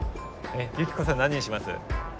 ユキコさん何にします？